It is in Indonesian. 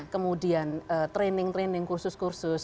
kemudian training training kursus kursus